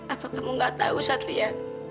apa kamu gak tahu satria